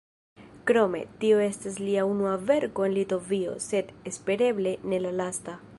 Krome, tio estas lia unua verko en Litovio, sed, espereble, ne la lasta.